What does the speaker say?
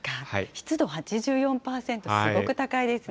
湿度８４％、すごく高いですね。